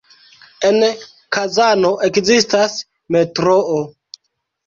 En Kazano ekzistas metroo.